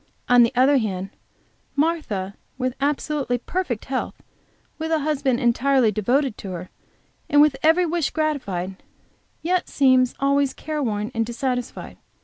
On the other hand, Martha with absolutely perfect health, with a husband entirely devoted to her, and with every wish gratified, yet seems always careworn and dissatisfied.